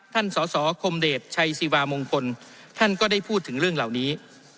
ท่านสคชัยมงคลท่านก็ได้พูดถึงเรื่องเหล่านี้